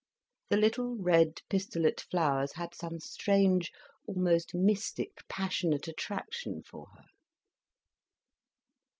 The little red pistillate flowers had some strange, almost mystic passionate attraction for her.